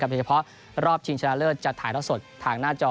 เฉพาะรอบชิงชะละเลิศจะถ่ายรอดสดทางหน้าจอ